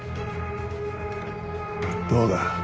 どうだ？